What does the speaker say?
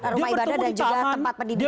rumah ibadah dan juga tempat pendidikan